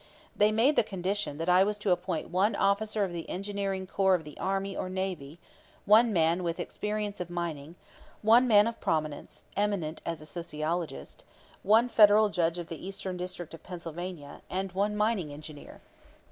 They made the condition that I was to appoint one officer of the engineer corps of the army or navy, one man with experience of mining, one "man of prominence," "eminent as a sociologist," one Federal judge of the Eastern district of Pennsylvania, and one mining engineer.